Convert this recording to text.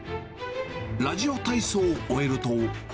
ラジオ体操を終えると。